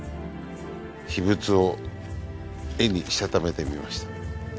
秘仏を絵にしたためてみました。